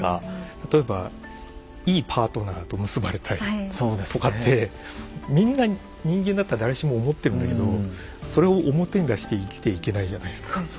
例えばいいパートナーと結ばれたいとかってみんな人間だったら誰しも思ってるんだけどそれを表に出して生きていけないじゃないですか。